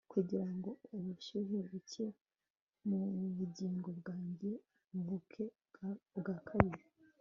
Kugira ngo ubushyuhe buke mu bugingo bwanjye buvuke ubwa kabiri